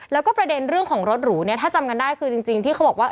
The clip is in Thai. แล้วก็ประเด็นเรื่องของรถหรูเนี่ยถ้าจำกันได้คือจริงที่เขาบอกว่า